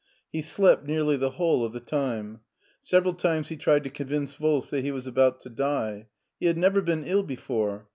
He slept nearly the whole of the time. Several times he tried to convince Wolf that he was about to die. He had never been ill before.